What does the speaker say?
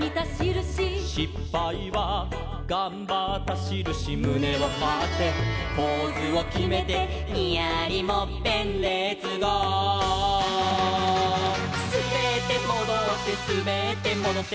「しっぱいはがんばったしるし」「むねをはってポーズをきめて」「ニヤリもっぺんレッツゴー！」「すべってもどってすべってもどって」